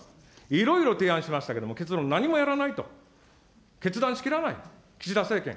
いろいろ提案しましたけども、結論、何もやらないと、決断しきらないと、岸田政権。